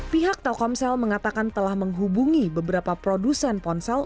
pihak telkomsel mengatakan telah menghubungi beberapa produsen ponsel